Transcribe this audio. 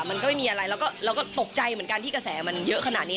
มันก็ไม่มีอะไรเราก็ตกใจเหมือนกันที่กระแสมันเยอะขนาดนี้